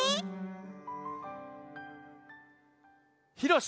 ひろし。